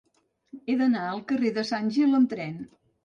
He d'anar al carrer de Sant Gil amb tren.